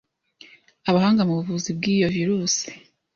Abahanga mu buvuzi bwiyo virus